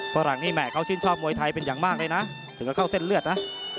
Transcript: ฝรั่งนี้แห่เขาชื่นชอบมวยไทยเป็นอย่างมากเลยนะถึงก็เข้าเส้นเลือดนะ